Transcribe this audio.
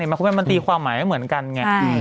มันตีความหมายไม่เหมือนกันไง